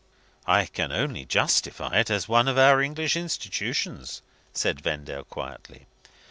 "I can only justify it as one of our English institutions," said Vendale quietly.